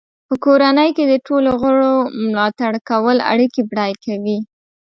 په کورنۍ کې د ټولو غړو ملاتړ کول اړیکې بډای کوي.